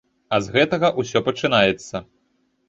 А з гэтага ўсё пачынаецца.